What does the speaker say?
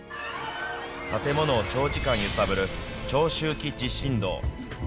建物を長時間揺さぶる長周期地震動。